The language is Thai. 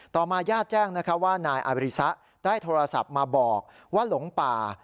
มาญาติแจ้งว่านายอาบริษะได้โทรศัพท์มาบอกว่าหลงป่า